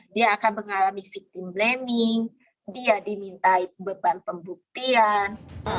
dia akan mengalami victim blaming dia dimintai beban pembuktian